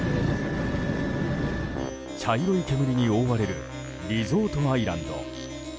茶色い煙に覆われるリゾートアイランド。